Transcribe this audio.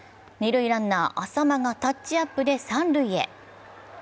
二塁ランナー・浅間がタッチアップで三塁へ。